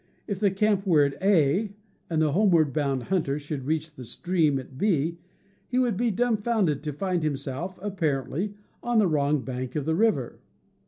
If the camp were at A, and the homeward bound hunter should reach the stream at l V ^^X B, he would be dumfounded to find himself, apparently, on the wrong bank of the river.